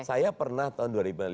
saya pernah tahun dua ribu lima